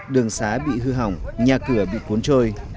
đường xá bị hư hỏng nhà cửa bị cuốn trôi